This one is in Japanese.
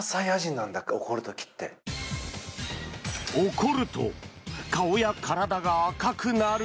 怒ると顔や体が赤くなる。